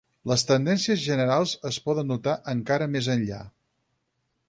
Les tendències generals es poden notar encara més enllà.